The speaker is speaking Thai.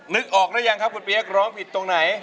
นึกออกหรือยังครับคุณเปี๊ยกร้องผิดตรงไหน